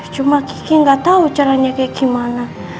cuma kiki nggak tahu caranya kayak gimana